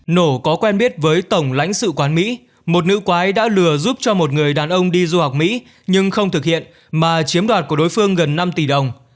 nổ có quen biết với tổng lãnh sự quán mỹ một nữ quái đã lừa giúp cho một người đàn ông đi du học mỹ nhưng không thực hiện mà chiếm đoạt của đối phương gần năm tỷ đồng